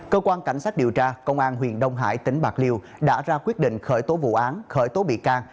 cơ quan cảnh sát điều tra công an huyện đông hải tỉnh bạc liêu đã ra quyết định khởi tố vụ án khởi tố bị can